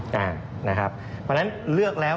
เพราะฉะนั้นเลือกแล้ว